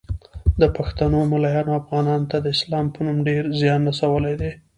د پښتنو مولایانو افغانانو ته د اسلام په نوم ډیر ځیان رسولی دی